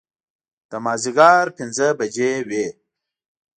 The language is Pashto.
د مازدیګر پنځه بجې وې.